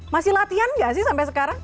masih latihan gak sih sampai sekarang